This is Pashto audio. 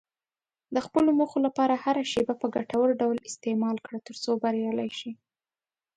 د خپلو موخو لپاره هره شېبه په ګټور ډول استعمال کړه، ترڅو بریالی شې.